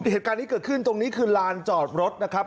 เหตุการณ์นี้เกิดขึ้นตรงนี้คือลานจอดรถนะครับ